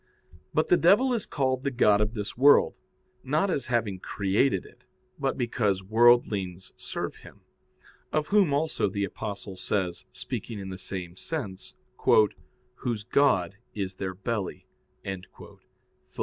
But the devil is called the god of this world, not as having created it, but because worldlings serve him, of whom also the Apostle says, speaking in the same sense, "Whose god is their belly" (Phil.